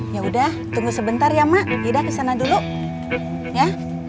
yaudah tunggu sebentar ya mak ida kesana dulu ya